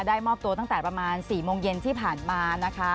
มอบตัวตั้งแต่ประมาณ๔โมงเย็นที่ผ่านมานะคะ